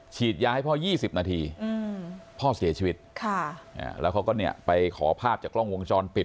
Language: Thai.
ฉีดยาให้พ่อ๒๐นาทีพ่อเสียชีวิตแล้วเขาก็เนี่ยไปขอภาพจากกล้องวงจรปิด